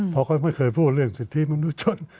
เพราะเขาไม่เคยพูดเรื่องสิทธิมนุษยชน